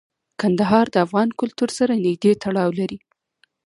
کندهار د افغان کلتور سره نږدې تړاو لري.